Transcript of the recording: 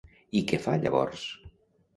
I què fa llavors?